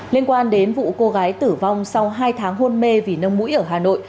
liên quan đến vụ cô gái tử vong sau hai tháng hôn mê vì nông mũi ở hà nội